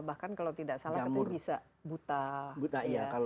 bahkan kalau tidak salah katanya bisa buta